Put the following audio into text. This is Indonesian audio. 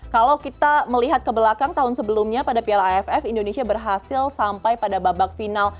kalau kita melihat ke belakang tahun sebelumnya pada piala aff indonesia berhasil sampai pada babak final